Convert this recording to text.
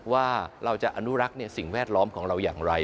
ว่าเราจะอนุรักษ์สิ่งแวดล้อมของเราอย่างไร